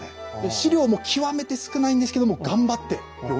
史料も極めて少ないんですけども頑張ってよみがえらせました。